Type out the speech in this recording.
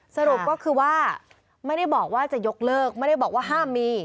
สรุปก็คือว่าไม่ได้บอกว่าจะยกเลิกไม่ได้บอกว่าห้ามมี